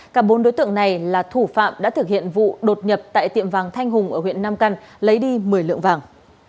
cả bốn đối tượng này là thủ phạm đã thực hiện vụ đột nhập tại tiệm vàng thanh hùng ở huyện nam căn lấy đi một mươi lượng vàng